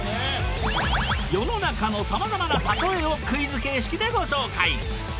世の中の様々な「たとえ」をクイズ形式でご紹介！